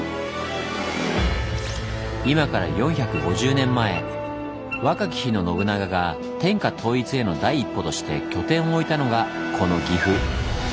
今から４５０年前若き日の信長が天下統一への第一歩として拠点を置いたのがこの岐阜。